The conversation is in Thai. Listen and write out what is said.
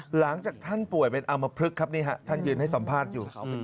หลังจากท่านป่วยเป็นอามพลึกครับนี่ฮะท่านยืนให้สัมภาษณ์อยู่